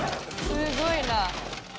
すごいなあ。